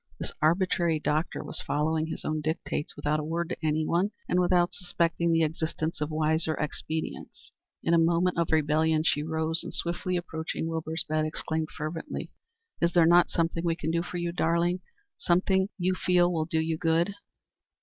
This arbitrary doctor was following his own dictates without a word to anyone, and without suspecting the existence of wiser expedients. In a moment of rebellion she rose, and swiftly approaching Wilbur's bed, exclaimed, fervently: "Is there not something we can do for you, darling? Something you feel will do you good?"